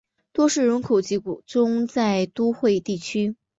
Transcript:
多数人口集中在都会地区。